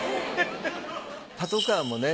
パトカーもね